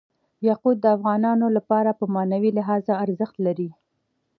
یاقوت د افغانانو لپاره په معنوي لحاظ ارزښت لري.